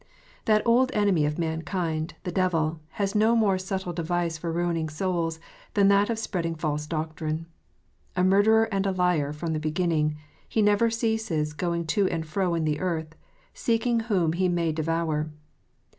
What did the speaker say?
That old enemy of mankind, the devil, has no more subtle device for ruining souls than that of spreading false doctrine. "A murderer and a liar from the beginning," he never ceases going to and fro in the earth, " seeking whom he may devour."